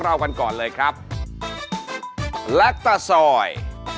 กรรมทุนทรอแก่กิโลกไทย